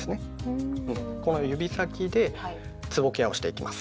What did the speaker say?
この指先でつぼケアをしていきます。